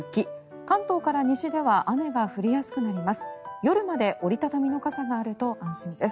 関東から西では雨が降りやすくなります。